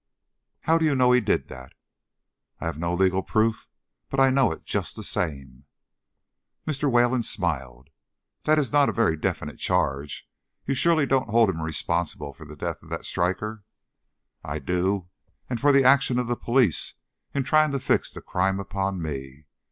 "How do you know he did that?" "I have no legal proof, but I know it just the same." Mr. Wayland smiled. "That is not a very definite charge. You surely don't hold him responsible for the death of that striker?" "I do; and for the action of the police in trying to fix the crime upon me.